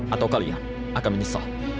atau kalian akan menyesal